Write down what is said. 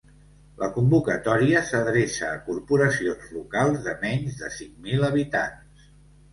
La convocatòria s'adreça a corporacions locals de menys de cinc mil habitants.